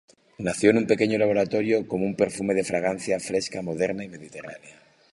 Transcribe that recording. Nació en un pequeño laboratorio como un perfume de fragancia fresca, moderna y mediterránea.